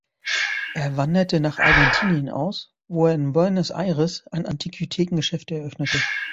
Er wanderte nach Argentinien aus, wo er in Buenos Aires ein Antiquitätengeschäft eröffnete.